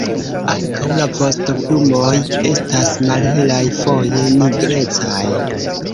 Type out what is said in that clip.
Ankaŭ la vostoplumoj estas malhelaj, foje nigrecaj.